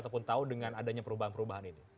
ataupun tahu dengan adanya perubahan perubahan ini